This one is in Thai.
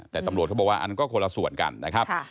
แต่ตำรวจเขาบอกว่าอันก็คนละส่วนกันนะครับ